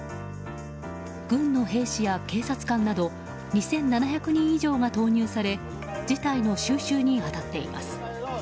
軍の兵士や警察官など２７００人以上が投入され事態の収拾に当たっています。